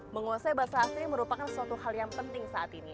menguasai bahasa asing merupakan suatu hal yang penting saat ini